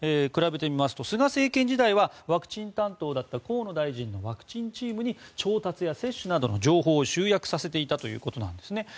比べてみますと菅政権時代はワクチン担当だった河野大臣のワクチンチームに調達や接種などの情報を集約させていたということです。